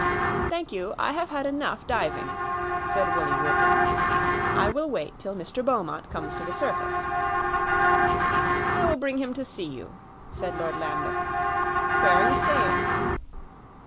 "Thank you; I have had enough diving," said Willie Woodley. "I will wait till Mr. Beaumont comes to the surface." "I will bring him to see you," said Lord Lambeth; "where are you staying?"